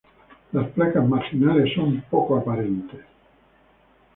Las placas marginales son poco aparentes.